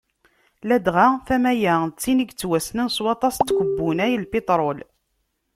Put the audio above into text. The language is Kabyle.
Ladɣa tama-a d tin i yettwassnen s waṭas n tkebbunay n lpitrul.